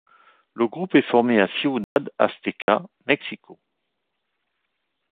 Le groupe est formé à Ciudad Azteca, Mexico.